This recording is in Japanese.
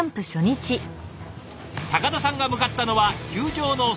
高田さんが向かったのは球場の選手入り口。